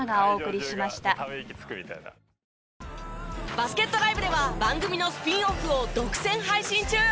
バスケットＬＩＶＥでは番組のスピンオフを独占配信中。